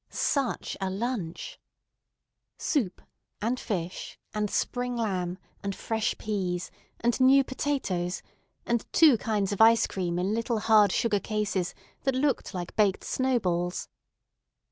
Such a lunch! Soup, and fish, and spring lamb, and fresh peas, and new potatoes, and two kinds of ice cream in little hard sugar cases that looked like baked snow balls.